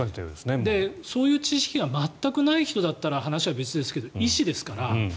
そういう知識が全くない人だったら話は別ですけど医師ですから。